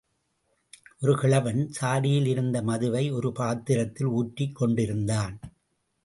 ஒரு கிழவன், சாடியில் இருந்த மதுவை ஒரு பாத்திரத்தில் ஊற்றிக் கொண்டிருந்தான்.